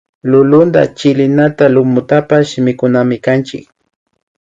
Lulunta chilinata lumutapash mikunamikanchik